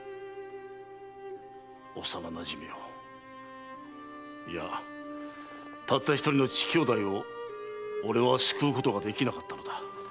幼なじみをいやたった一人の乳兄弟を俺は救うことができなかったのだ。